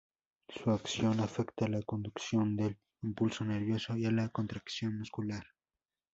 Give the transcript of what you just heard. Su acción afecta a la conducción del impulso nervioso y a la contracción muscular.